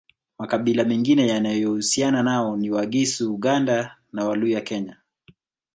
Makabila mengine yanayohusiana nao ni Wagisu Uganda na Waluya Kenya